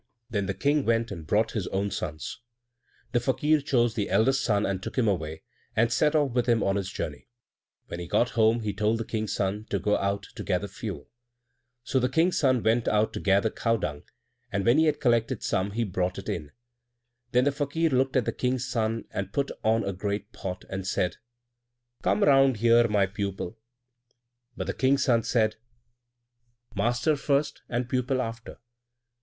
Then the King went and brought his own sons. The Fakir chose the eldest son and took him away, and set off with him on his journey. When he got home he told the King's son to go out to gather fuel. So the King's son went out to gather cow dung, and when he had collected some he brought it in. Then the Fakir looked at the King's son and put on a great pot, and said, "Come round here, my pupil." But the King's son said, "Master first, and pupil after."